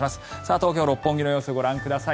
東京・六本木の様子ご覧ください。